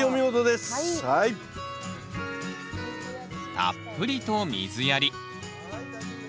たっぷりと水やり。